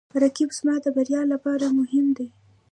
رقیب زما د بریا لپاره مهم دی